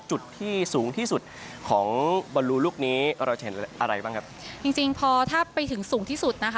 จริงของเราถ้าไปถึงสูงที่สุดนะคะ